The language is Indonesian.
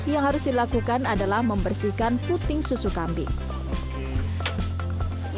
yang harus dilakukan adalah membersihkan puting susu kambing